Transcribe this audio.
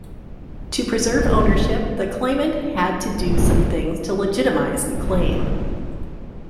To preserve ownership, the claimant had to do some things to legitimize the claim.